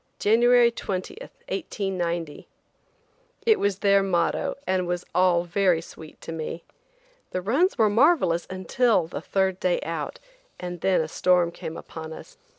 January 20, 1890." It was their motto and was all very sweet to me. The runs were marvelous until the third day out, and then a storm came upon us.